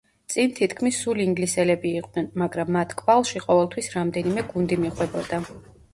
წინ თითქმის სულ ინგლისელები იყვნენ, მაგრამ მათ კვალში ყოველთვის რამდენიმე გუნდი მიყვებოდა.